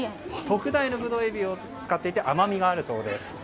特大のブドウエビを使っていて甘みがあるそうです。